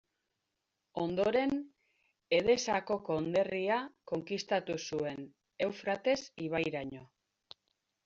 Ondoren, Edesako Konderria konkistatu zuen Eufrates ibairaino.